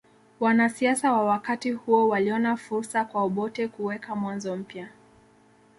Wanasiasa wa wakati huo waliona fursa kwa Obote kuweka mwanzo mpya